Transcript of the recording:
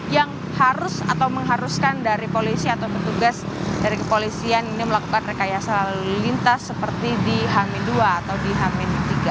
yang harus atau mengharuskan dari polisi atau petugas dari kepolisian ini melakukan rekayasa lalu lintas seperti di h dua atau di h tiga